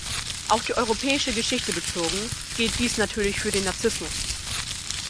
Auf die europäische Geschichte bezogen gilt dies natürlich für den Nazismus.